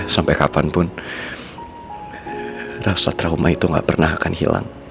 sampai kapanpun rasa trauma itu gak pernah akan hilang